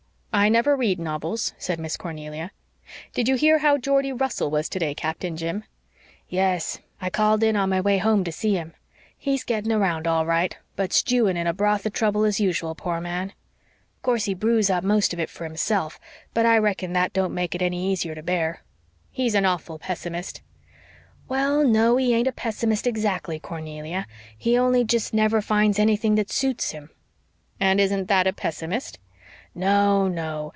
"I never read novels," said Miss Cornelia. "Did you hear how Geordie Russell was today, Captain Jim?" "Yes, I called in on my way home to see him. He's getting round all right but stewing in a broth of trouble, as usual, poor man. "'Course he brews up most of it for himself, but I reckon that don't make it any easier to bear." "He's an awful pessimist," said Miss Cornelia. "Well, no, he ain't a pessimist exactly, Cornelia. He only jest never finds anything that suits him." "And isn't that a pessimist?" "No, no.